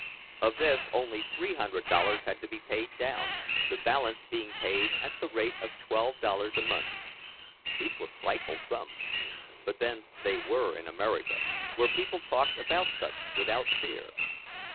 Of this, only three hundred dollars had to be paid down, the balance being paid at the rate of twelve dollars a month. These were frightful sums, but then they were in America, where people talked about such without fear.